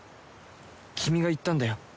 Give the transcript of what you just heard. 君が言ったんだよ。